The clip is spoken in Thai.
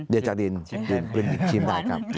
เกิดจากดินชอบดินชิมได้ครับ